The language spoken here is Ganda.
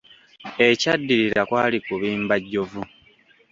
Ekyaddirira kwali kubimba jjovu.